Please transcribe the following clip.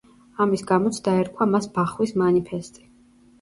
ამის გამოც დაერქვა მას „ბახვის მანიფესტი“.